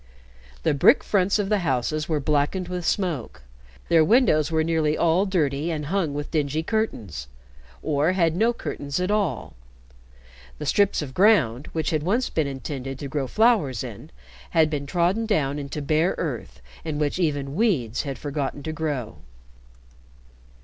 The brick fronts of the houses were blackened with smoke, their windows were nearly all dirty and hung with dingy curtains, or had no curtains at all; the strips of ground, which had once been intended to grow flowers in, had been trodden down into bare earth in which even weeds had forgotten to grow.